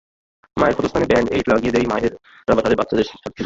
মায়েরা ক্ষতস্থানে ব্যান্ড-এইড লাগিয়ে দেয় মায়েরা তাদের বাচ্চাদের সাথে খেলে।